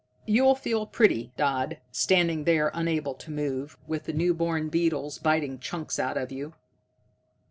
You'll feel pretty, Dodd, standing there unable to move, with the new born beetles biting chunks out of you."